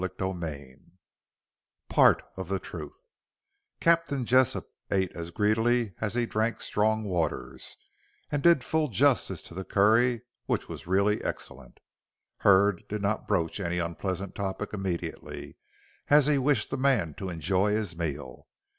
CHAPTER XX PART OF THE TRUTH Captain Jessop ate as greedily as he drank strong waters, and did full justice to the curry, which was really excellent. Hurd did not broach any unpleasant topic immediately, as he wished the man to enjoy his meal.